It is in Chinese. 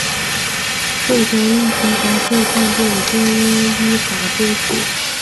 涉嫌疫情防控犯罪均应依法追诉